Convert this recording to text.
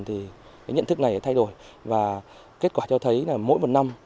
thì nhận thức này thay đổi và kết quả cho thấy là mỗi một năm